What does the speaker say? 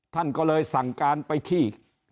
ท่านก็เลยสั่งการไปที่